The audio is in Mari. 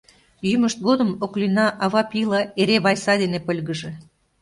Йӱмышт годым Оклина ава пийла эре Вайса дене пыльгыже.